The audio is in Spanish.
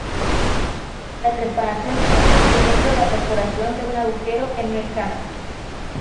La trepanación es el procedimiento de la perforación de un agujero en el cráneo.